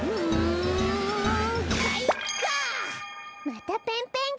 またペンペングサ？